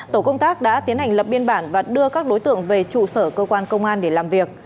tổ công tác đã tiến hành lập biên bản và đưa các đối tượng về trụ sở cơ quan công an để làm việc